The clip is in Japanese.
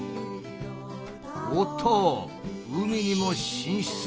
おっと海にも進出ですか？